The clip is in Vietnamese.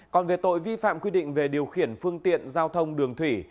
còn về tội vi phạm quy định về điều khiển phương tiện giao thông đường thủy